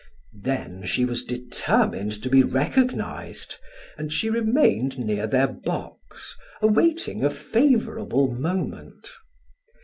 Then she was determined to be recognized and she remained near their box, awaiting a favorable moment.